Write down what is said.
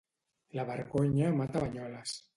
La vergonya mata Banyoles